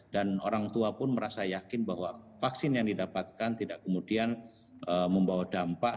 dan orang tua pun merasa yakin bahwa vaksin yang didapatkan tidak kemudian membawa dampak